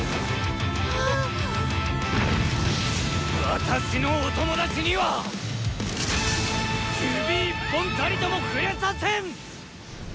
私のおトモダチには指一本たりとも触れさせん！